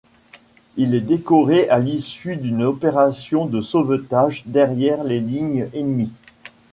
Il est décoré à l'issue d'une opération de sauvetage derrière les lignes ennemies.